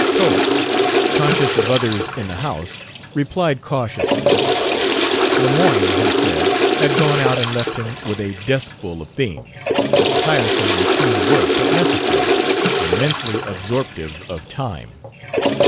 Cope, conscious of others in the house, replied cautiously. Lemoyne, he said, had gone out and left him with a deskful of themes: tiresome routine work, but necessary, and immensely absorptive of time.